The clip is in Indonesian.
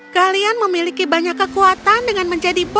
kalian memiliki banyak kekuatan dengan mencari kekuatan